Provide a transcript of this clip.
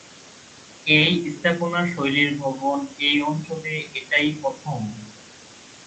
এই স্থাপনা শৈলীর ভবন এই অঞ্চলে এটাই প্রথম।